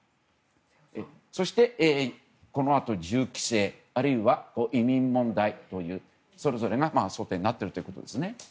そして、このあと銃規制あるいは移民問題というそれぞれが争点になっているということです。